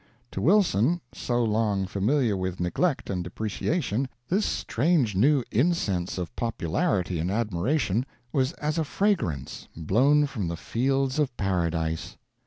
To Wilson, so long familiar with neglect and depreciation, this strange new incense of popularity and admiration was as a fragrance blown from the fields of paradise.